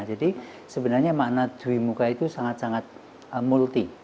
jadi sebenarnya makna duimuka itu sangat sangat multi